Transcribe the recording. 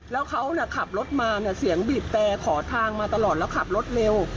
แล้วเขาขับรถมาเสียงบีบแต่ขอทางมาตลอดแล้วขับรถเร็ว